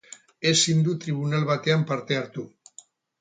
Ezin du tribunal batean parte hartu.